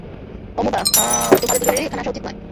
অমুধা, তোমাদের দুজনেরই এখানে আসা উচিত নয়।